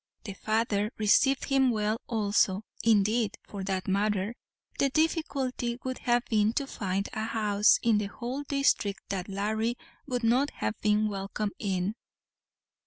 The father received him well also; indeed, for that matter, the difficulty would have been to find a house in the whole district that Larry would not have been welcome in.